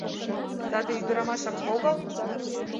Саде ӱдырамашак огыл?